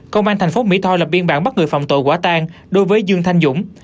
công an thành phố mỹ tho lập biên bản bắt người phạm tội quả tan đối với dương thanh dũng